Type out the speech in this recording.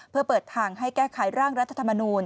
เพื่อเปิดทางให้แก้ไขร่างรัฐธรรมนูล